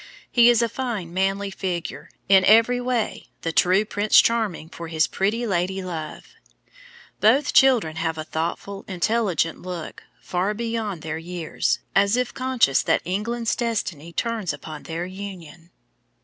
He is a fine, manly figure, in every way the true Prince Charming for his pretty lady love. Both children have a thoughtful, intelligent look, far beyond their years, as if conscious that England's destiny turns upon their union.